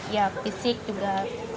ya fisik juga